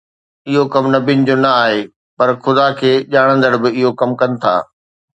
اھو ڪم نبين جو نه آھي، پر خدا کي ڄاڻندڙ به اھو ڪم ڪن ٿا.